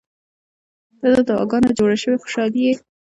• ته د دعاګانو نه جوړه شوې خوشالي یې.